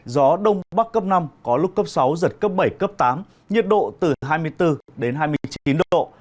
gió đông bắc cấp năm có lúc cấp sáu giật cấp bảy cấp tám nhiệt độ từ hai mươi bốn đến hai mươi chín độ